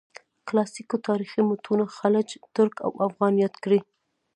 کلاسیکو تاریخي متونو خلج، ترک او افغان یاد کړي.